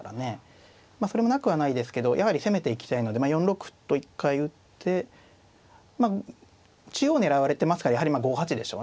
それもなくはないですけどやはり攻めていきたいので４六歩と一回打って中央を狙われてますからやはり５八でしょうね。